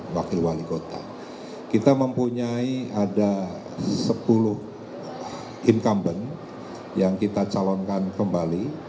wakil wali kota kita mempunyai ada sepuluh incumbent yang kita calonkan kembali